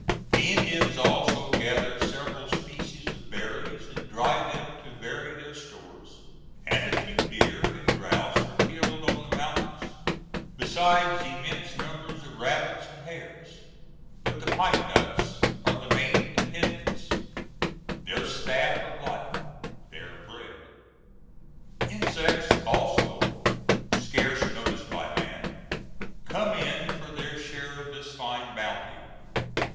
The Indians also gather several species of berries and dry them to vary their stores, and a few deer and grouse are killed on the mountains, besides immense numbers of rabbits and hares; but the pine nuts are their main dependence—their staff of life, their bread. Insects also, scarce noticed by man, come in for their share of this fine bounty.